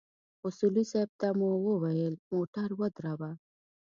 اصولي صیب ته مو وويل موټر ودروه.